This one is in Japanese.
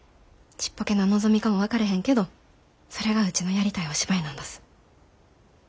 ちっぽけな望みかも分かれへんけどそれがうちのやりたいお芝居なんだす。